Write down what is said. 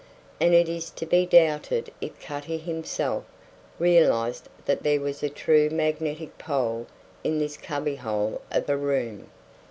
And it is to be doubted if Cutty himself realized that there was a true magnetic pole in this cubbyhole of a room.